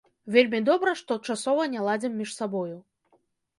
Вельмі добра, што часова не ладзім між сабою.